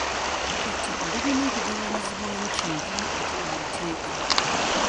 Ettaka lirina okugabanyizibwamu kyenkanyi ate mu mateeka.